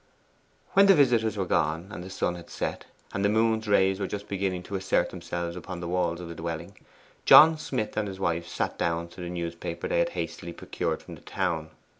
When the visitors were gone, and the sun had set, and the moon's rays were just beginning to assert themselves upon the walls of the dwelling, John Smith and his wife sat dawn to the newspaper they had hastily procured from the town.